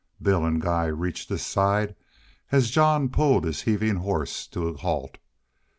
Bill and Guy reached his side as Jean pulled his heaving horse to a halt.